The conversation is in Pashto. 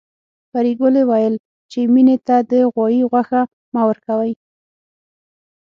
پريګلې ويل چې مينې ته د غوايي غوښه مه ورکوئ